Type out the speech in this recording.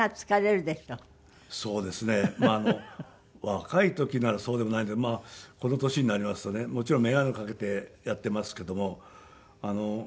若い時ならそうでもないけどまあこの年になりますとねもちろん眼鏡をかけてやっていますけども。